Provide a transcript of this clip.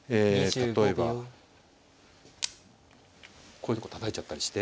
例えばこういうとこたたいちゃったりして。